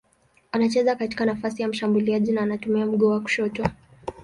Anacheza katika nafasi ya mshambuliaji na anatumia mguu wa kushoto.